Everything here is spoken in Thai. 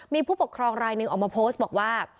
มีผู้ปกครองรายหนึ่งออกมาโพสต์บอกว่า